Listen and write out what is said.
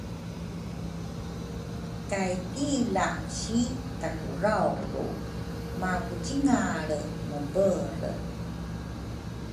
kay tila si takurauru makucingalre mubere